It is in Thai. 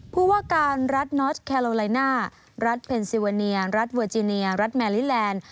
ผู้ว่าการรัฐนอสแคโลไลน่ารัฐเพนซิวาเนียรัฐเวอร์จิเนียรัฐแมลิแลนด์